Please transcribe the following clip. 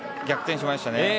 逆転しましたね。